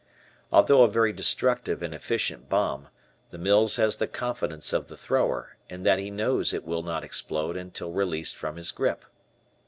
Although a very destructive and efficient bomb, the "Mills" has the confidence of the thrower, in that he knows it will not explode until released from his grip.